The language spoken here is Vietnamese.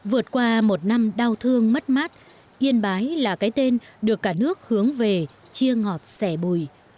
vượt qua một năm đau thương mất mát yên bái là cái tên được cả nước hướng về chia ngọt sẻ bùi